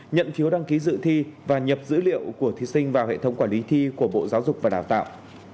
nhận phiếu đăng ký dự thi và nhập dữ liệu của thí sinh vào hệ thống quản lý thi của bộ giáo dục và đào tạo